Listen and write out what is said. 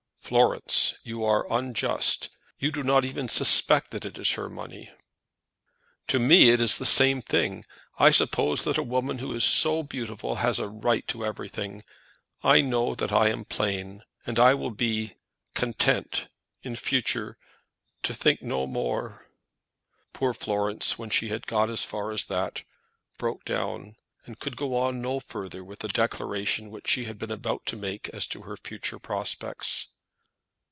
"Florence, you are unjust. You do not even suspect that it is her money." "To me it is the same thing. I suppose that a woman who is so beautiful has a right to everything. I know that I am plain, and I will be content in future to think no more " Poor Florence, when she had got as far as that, broke down, and could go on no further with the declaration which she had been about to make as to her future prospects.